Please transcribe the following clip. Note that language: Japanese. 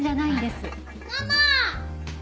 ママ！